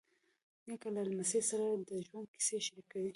نیکه له لمسي سره د ژوند کیسې شریکوي.